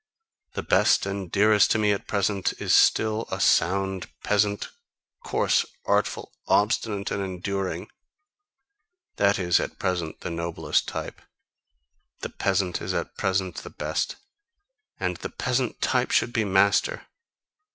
The best and dearest to me at present is still a sound peasant, coarse, artful, obstinate and enduring: that is at present the noblest type. The peasant is at present the best; and the peasant type should be master!